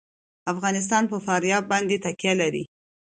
افغانستان په فاریاب باندې تکیه لري.